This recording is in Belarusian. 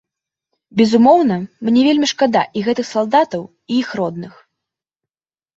Безумоўна, мне вельмі шкада і гэтых салдатаў, і іх родных.